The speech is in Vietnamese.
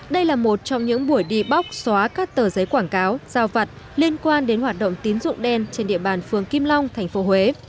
đây là một trong những buổi đi bóc xóa các tờ giấy quảng cáo giao vặt liên quan đến hoạt động tín dụng đen trên địa bàn phường kim long tp huế